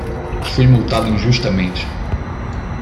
Fui multado injustamente